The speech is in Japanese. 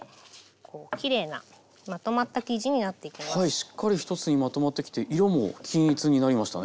しっかり一つにまとまってきて色も均一になりましたね。